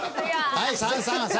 はい３３３。